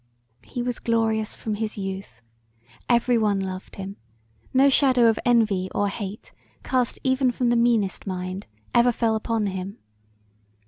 He was glorious from his youth. Every one loved him; no shadow of envy or hate cast even from the meanest mind ever fell upon him.